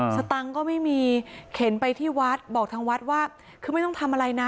สตังค์ก็ไม่มีเข็นไปที่วัดบอกทางวัดว่าคือไม่ต้องทำอะไรนะ